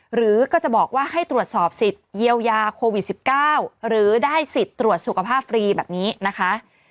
หรือก็จะบอกว่าให้ตรวจสอบสิทธิ์เยียวยาโควิด๑๙หรือได้สิทธิ์ตรวจสุขภาพฟรีแบบนี้นะคะ